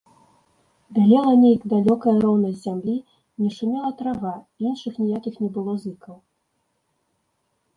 Бялела нейк далёкая роўнасць зямлі, не шумела трава, і іншых ніякіх не было зыкаў.